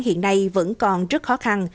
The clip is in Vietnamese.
hiện nay vẫn còn rất khó khăn